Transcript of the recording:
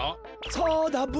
そうだブ。